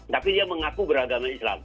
tapi dia mengaku beragama islam